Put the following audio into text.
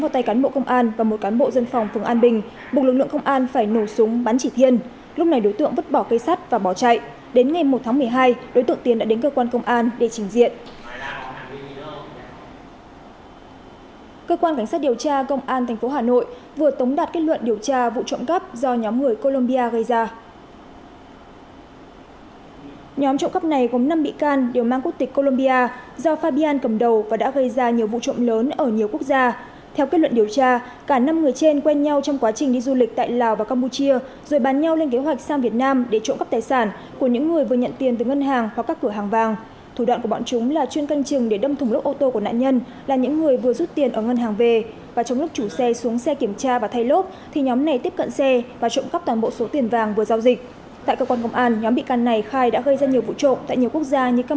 tại cơ quan công an nhóm bị căn này khai đã gây ra nhiều vụ trộm tại nhiều quốc gia như campuchia lào thái lan trung quốc cùng một số nước châu âu và nam mỹ